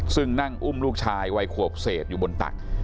ซึ่งนั่งอุ้มลูกชายวัยขวบเศษอยู่บนตัก